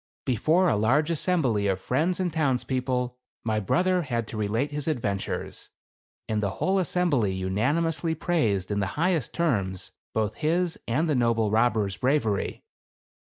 Before a large assembly of friends and towns people, my brother had to relate his adventures, and the whole assembly unani mously praised, in the highest terms, both his and the noble robber's bravery.